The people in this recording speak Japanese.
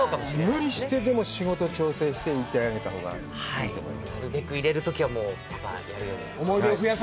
無理してでも仕事を調整していてあげたほうがいいと思います。